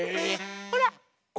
ほら。